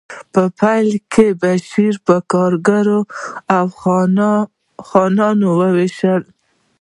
په پیل کې بشر په کارګر او خان وویشل شو